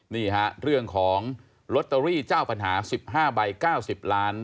นี่ฮะเรื่องของลอตเตอรี่เจ้าปัญหา๑๕ใบ๙๐ล้าน